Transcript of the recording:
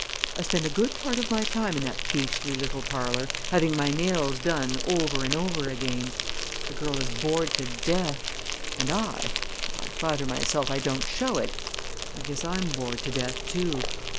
I spend a good part of my time in that beastly little parlor, having my nails done over and over again. The girl is bored to death; and I though I flatter myself I don't show it I guess I'm bored to death too.